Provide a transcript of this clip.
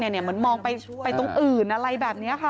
เหมือนมองไปตรงอื่นอะไรแบบนี้ค่ะ